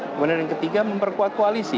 kemudian yang ketiga memperkuat koalisi